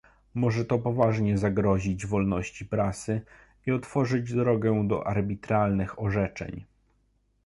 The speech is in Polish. Może to poważnie zagrozić wolności prasy i otworzyć drogę do arbitralnych orzeczeń